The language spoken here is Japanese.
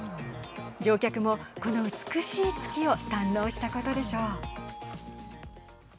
乗客も、この美しい月を堪能したことでしょう。